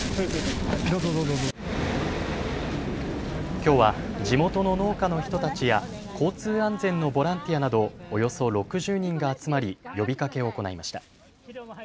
きょうは地元の農家の人たちや交通安全のボランティアなどおよそ６０人が集まり呼びかけを行いました。